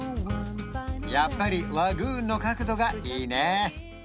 やっぱりラグーンの角度がいいね